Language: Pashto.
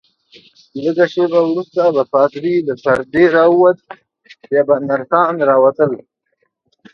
لږ شیبه وروسته به پادري له پردې راووت، بیا به نرسان راووتل.